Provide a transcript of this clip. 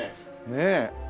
ねえ。